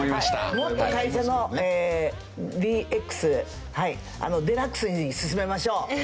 もっと会社のＤＸデラックスに進めましょう。